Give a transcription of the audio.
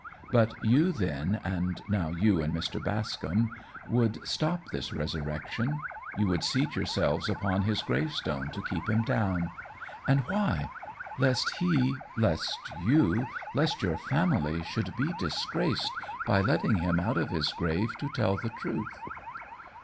But you then, and now you and Mr. Bascombe, would stop this resurrection; you would seat yourselves upon his gravestone to keep him down! And why? Lest he, lest you, lest your family should be disgraced by letting him out of his grave to tell the truth."